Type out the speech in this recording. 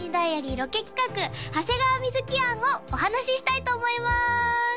ロケ企画長谷川瑞をお話ししたいと思います